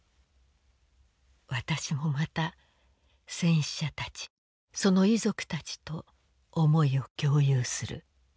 私もまた戦死者たちその遺族たちと思いを共有する。